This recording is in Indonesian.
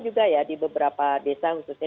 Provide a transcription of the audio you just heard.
juga ya di beberapa desa khususnya